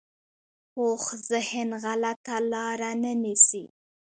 پوخ ذهن غلطه لاره نه نیسي